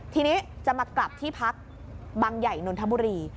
ทีนี้จะมากลับที่พักบังใหญ่นนทบุรี